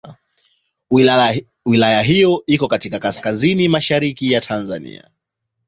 Wilaya hii iko katika kaskazini mashariki ya Tanzania.